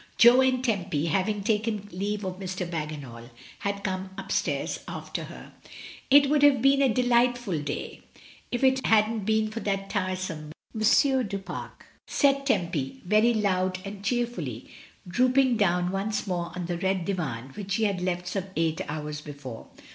Jo and Tempy, having taken leave of Mr. Bagginal, had come upstairs after her. "It would have been a delightful day if it hadn't been for that tiresome M. du Pare," said Tempy very loud and cheerfully, dropping down once more on the red divan which she had left some eight hours before.